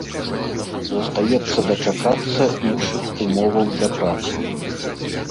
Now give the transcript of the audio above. Застаецца дачакацца іншых умоваў для працы.